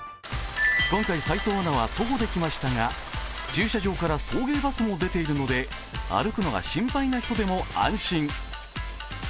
今回齋藤アナは徒歩で来ましたが駐車場から送迎バスも出ているので歩くのが心配な人でも安心。